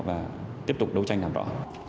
và tiếp tục đấu tranh làm rõ